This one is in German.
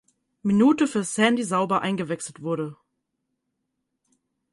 Minute für "Sandy Sauber" eingewechselt wurde.